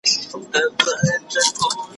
زه به سبا د سوالونو جواب ورکړم،